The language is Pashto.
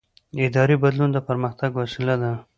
اداري بدلون د پرمختګ وسیله ده